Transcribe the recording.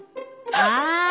ああ。